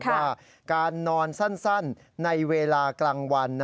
ว่าการนอนสั้นในเวลากลางวัน